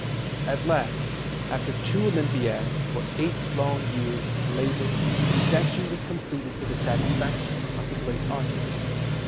At last, after two Olympiads, or eight long years, of labour, the statue was completed to the satis faction of the great artist.